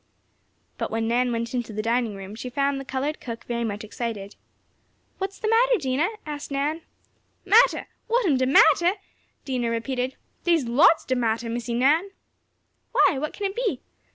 But when Nan went to the dining room, she found the colored cook very much excited. "What is the matter, Dinah?" asked Nan. "Mattah! What am de mattah?" Dinah repeated, "Dey's lots de mattah, Missie Nan." "Why, what can it be?"